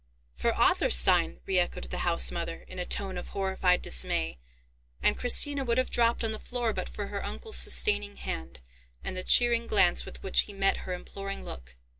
"For Adlerstein?" re echoed the housemother, in a tone of horrified dismay; and Christina would have dropped on the floor but for her uncle's sustaining hand, and the cheering glance with which he met her imploring look.